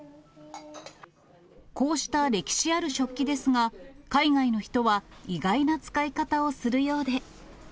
こうした歴史ある食器ですが、海外の人は意外な使い方をするようで。